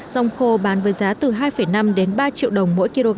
rong khô bán với giá từ hai năm đến ba triệu đồng mỗi kg